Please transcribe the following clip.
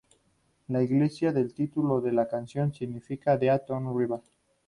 Las siglas del título de la canción significan "Dead On Arrival".